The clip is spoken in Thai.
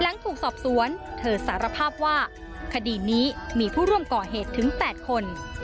หลังถูกสอบสวนเธอสารภาพว่าคดีนี้มีผู้ร่วมก่อเหตุถึง๘คน